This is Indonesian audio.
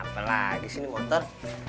apa lagi sih ini motor